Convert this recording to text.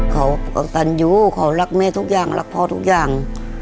ขอขอสัญญูขอรักแม่ทุกอย่างรักพ่อทุกอย่าง